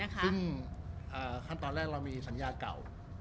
ซึ่งขั้นตอนแรกเรามีสัญญาเก่า